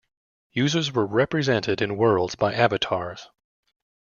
Users were represented in worlds by avatars.